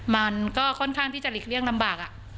มันก็ค่อนข้างที่จะหลีกเลี่ยงลำบาก